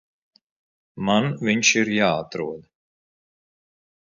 Man viņš ir jāatrod.